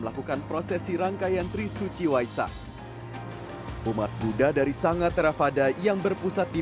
melakukan prosesi rangkaian trisuci waisak umat buddha dari sanga terafada yang berpusat di